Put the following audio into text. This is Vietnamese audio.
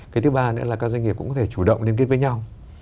cái thứ ba nữa là các doanh nghiệp cũng có thể chủ động liên kết với nhau